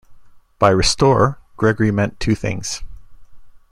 By "restore", Gregory meant two things.